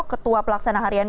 ketua pelaksana harian